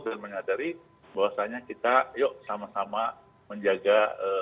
dan menyadari bahwasannya kita yuk sama sama menjaga